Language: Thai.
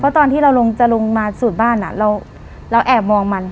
เพราะตอนที่เราลงจะลงมาสู่บ้านอ่ะเราเราแอบมองมัน